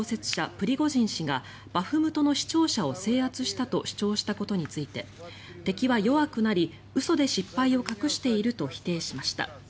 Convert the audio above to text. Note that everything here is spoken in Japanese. プリゴジン氏がバフムトの市庁舎を制圧したと主張したことについて敵は弱くなり嘘で失敗を隠していると否定しました。